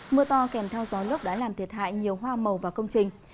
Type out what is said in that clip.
mưa to kèm theo gió lốc đã làm thiệt hại nhiều hoa màu và công trình